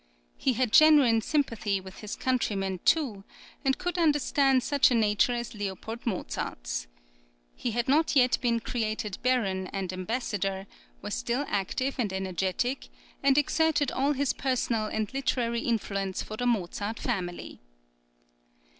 He had genuine sympathy with his countrymen, too, and could understand such a nature as L. Mozart's. He had not yet been created baron and ambassador, was still active and energetic, and exerted all his personal and literary influence for the Mozart family.